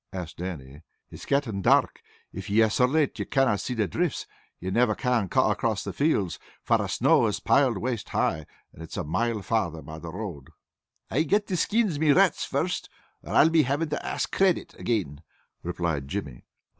asked Dannie. "It's getting dark, and if ye are so late ye canna see the drifts, ye never can cut across the fields; fra the snow is piled waist high, and it's a mile farther by the road." "I got to skin my rats first, or I'll be havin' to ask credit again," replied Jimmy.